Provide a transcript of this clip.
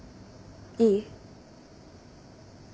いい？